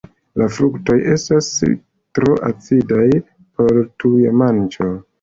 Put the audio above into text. La fruktoj estas tro acidaj por tuja manĝo.